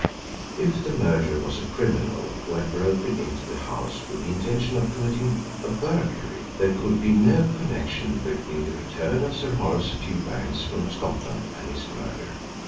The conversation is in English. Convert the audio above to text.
If the murderer was a criminal who had broken into the house with the intention of committing a burglary, there could be no connection between the return of Sir Horace Fewbanks from Scotland and his murder.